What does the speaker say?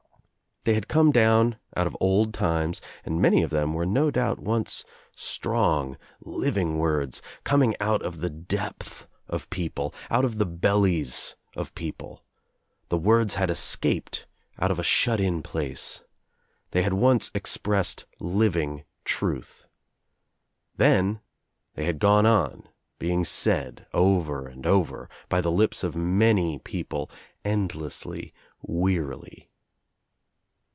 They had come down out of old times and many of thera were no doubt once strong living out OF NOWHERE INTO NOTHING I97 words, coming out of the depth of people, out of the bellies of people. The words had escaped out of a shut in place. They had once expressed living truth. Then they had gone on being said, over and over, by • the lips of many people, endlessly, wearily.